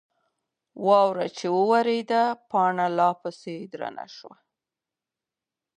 واوره چې وورېده، پاڼه لا پسې درنه شوه.